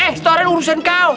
eh restoran urusan kau